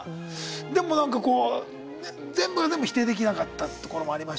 でもなんかこう全部が全部否定できなかったところもありまして。